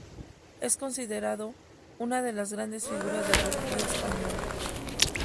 Es considerado una de las grandes figuras del rugby español.